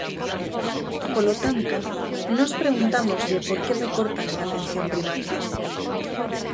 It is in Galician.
Polo tanto, nós preguntámoslle por que recortan en atención primaria.